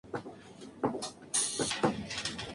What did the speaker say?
La labor administrativa le pareció rutinaria y desagradable.